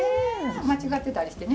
間違ってたりしてね。